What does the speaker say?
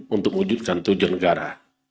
untuk wujudkan tujuan negara